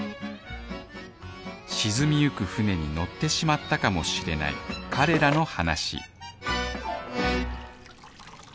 沈み行く船に乗ってしまったかもしれない彼らの話